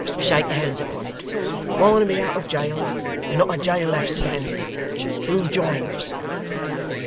Shake hands upon it. Barnaby out of jail, and not a jail left standing! Who joins?